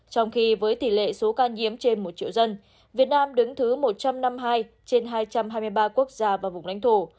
trong khi với tỷ lệ số ca nhiễm trên một triệu dân việt nam đứng thứ một trăm năm mươi hai trên hai trăm hai mươi ba quốc gia và vùng lãnh thổ